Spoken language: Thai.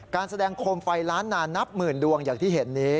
การแสดงโคมไฟล้านนานับหมื่นดวงอย่างที่เห็นนี้